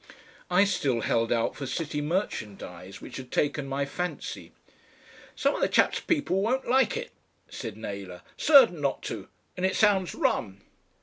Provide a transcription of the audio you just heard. I still held out for CITY MERCHANDIZE, which had taken my fancy. "Some of the chaps' people won't like it," said Naylor, "certain not to. And it sounds Rum."